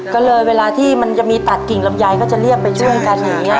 ก็เลยเวลาที่มันจะมีตัดกิ่งลำไยก็จะเรียกไปช่วยกันอย่างนี้